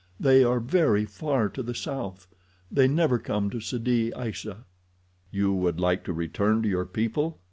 They are very far to the south. They never come to Sidi Aissa." "You would like to return to your people?"